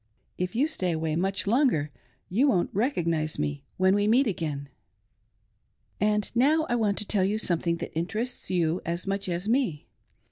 If you stay away much longer you won't recognise me when we meet again. And now I want to tell you something that interests you as much as me.